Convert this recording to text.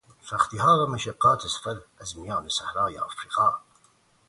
سختیها و مشقات سفر از میان صحرای افریقا